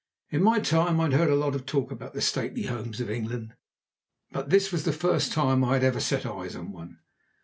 In my time I'd heard a lot of talk about the stately homes of England, but this was the first time I had ever set eyes on one.